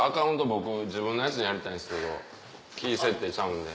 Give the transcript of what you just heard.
僕自分のやつでやりたいんですけどキー設定ちゃうんで。